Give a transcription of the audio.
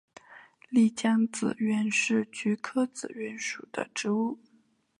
丽江紫菀是菊科紫菀属的植物。